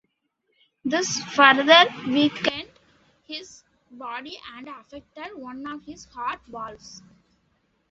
This further weakened his body and affected one of his heart valves.